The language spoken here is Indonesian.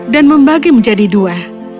dan membagi menjadi dua